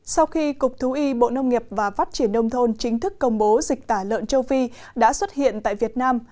sau khi cục thú y bộ nông nghiệp và phát triển nông thôn chính thức công bố dịch tả lợn châu phi đã xuất hiện tại việt nam